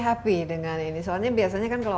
happy dengan ini soalnya biasanya kan kalau